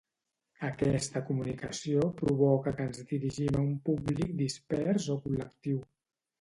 Aquesta comunicació provoca que ens dirigim a un públic dispers o col·lectiu.